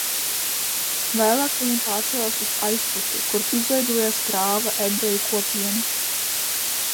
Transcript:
Vēlāk viņi pārcēlās uz Aizputi, kur izveidojās prāva ebreju kopiena.